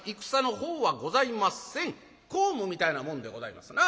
公務みたいなもんでございますな。